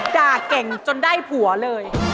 ด่าเก่งจนได้ผัวเลย